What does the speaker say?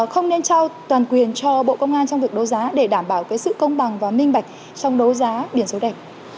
không nên trao toàn quyền cho bộ công an trong việc đấu giá để đảm bảo sự công bằng và minh bạch trong đấu giá biển số đẹp